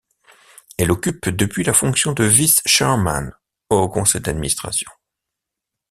Elle occupe depuis la fonction de Vice-Chairman au Conseil d'administration.